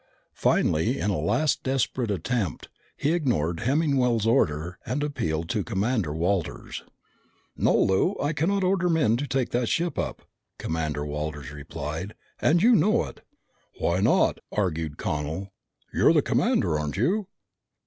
Finally, in a last desperate attempt, he ignored Hemmingwell's order and appealed to Commander Walters. "No, Lou. I cannot order men to take that ship up," Commander Walters replied, "and you know it!" "Why not?" argued Connel. "You're the commander, aren't you?"